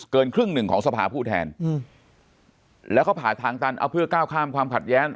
ครึ่งหนึ่งของสภาผู้แทนแล้วก็ผ่าทางตันเอาเพื่อก้าวข้ามความขัดแย้ง